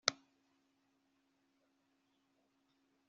yari ayoboye ishyaka rya republika atsinze cyane